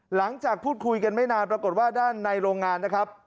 หลังจากพูดคุยกันไม่นานปรากฏว่าด้านในโรงงานนะครับ